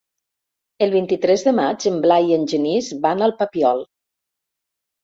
El vint-i-tres de maig en Blai i en Genís van al Papiol.